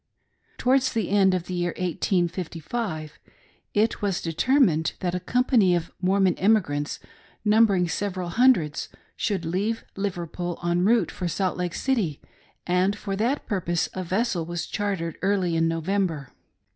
Towards the end of the year 1855, it was determined that a company of Mormon emigrants, numbering several hundreds, should leave Liverpool en route for Salt Lake City ; and for that purpose a vessel was chartered early in November.